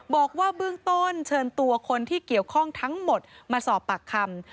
บอกว่าเบื้องต้นเชิญตัวคนที่เกี่ยวข้องทั้งหมดมาสอบปากคำ